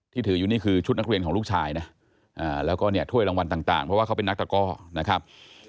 ถืออยู่นี่คือชุดนักเรียนของลูกชายนะแล้วก็เนี่ยถ้วยรางวัลต่างเพราะว่าเขาเป็นนักตะก้อนะครับ